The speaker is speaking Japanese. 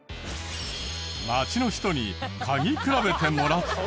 街の人に嗅ぎ比べてもらった。